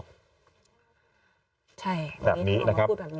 แบบนี้นะครับ